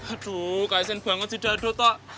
aduh kasian banget sih dado tak